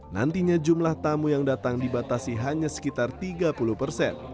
nantinya jumlah tamu yang datang dibatasi hanya sekitar tiga puluh persen